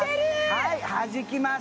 はいはじきます